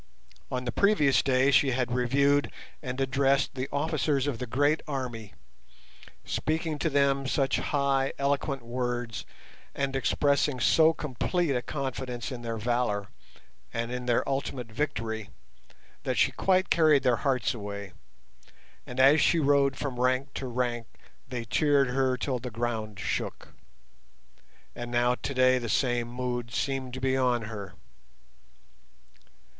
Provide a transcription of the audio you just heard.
On the previous day she had reviewed and addressed the officers of the great army, speaking to them such high, eloquent words, and expressing so complete a confidence in their valour and in their ultimate victory, that she quite carried their hearts away, and as she rode from rank to rank they cheered her till the ground shook. And now today the same mood seemed to be on her.